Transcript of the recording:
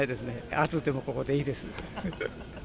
暑くてもここでいいです。